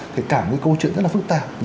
thì cả một cái câu chuyện rất là phức tạp